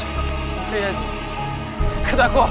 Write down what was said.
とりあえず砕こう。